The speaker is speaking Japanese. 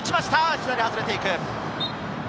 左に外れていく。